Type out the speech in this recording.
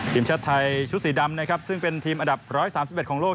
ทีมชาติไทยชุดสีดำนะครับซึ่งเป็นทีมอันดับ๑๓๑ของโลก